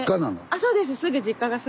あそうです。